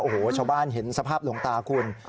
โอ้โหชาวบ้านเห็นสภาพหลวงตาคุณ